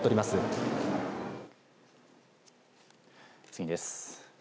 次です。